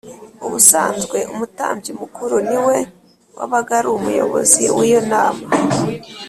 Ubusanzwe, umutambyi mukuru ni we wabaga ari umuyobozi w’iyo nama